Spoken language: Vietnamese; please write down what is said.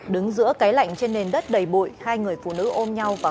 đứng giữa cái lạnh trên nền đất đầy mưa bà natalia đã gửi lời cảm ơn tới bà natalia